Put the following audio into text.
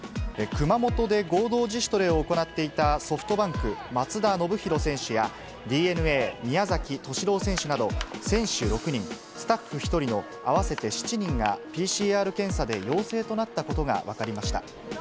熊本で合同自主トレを行っていたソフトバンク、松田宣浩選手やＤｅＮＡ、宮崎敏郎選手など、選手６人、スタッフ１人の合わせて７人が、ＰＣＲ検査で陽性となったことが分かりました。